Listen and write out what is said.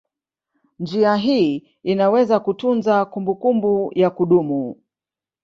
Njia hii inaweza kutunza kumbukumbu ya kudumu.